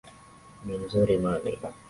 ni vizuri mami